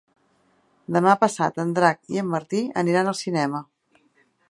Demà passat en Drac i en Martí aniran al cinema.